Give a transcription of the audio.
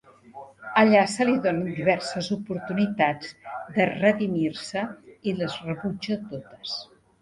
Allà se li donen diverses oportunitats de redimir-se i les rebutja totes.